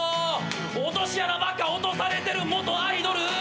「落とし穴ばっか落とされてる元アイドル」